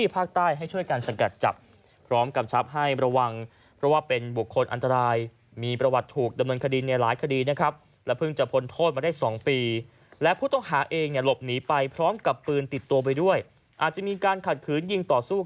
ไปพร้อมกับปืนติดตัวไปด้วยอาจจะมีการขัดขืนยิงต่อสู้